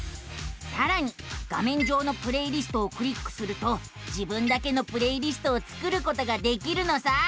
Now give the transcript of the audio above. さらに画めん上の「プレイリスト」をクリックすると自分だけのプレイリストを作ることができるのさあ。